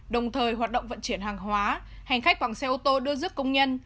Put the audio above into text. đồng thời hoạt động vận chuyển hàng hóa hành khách bằng xe ô tô đưa dứt công nhân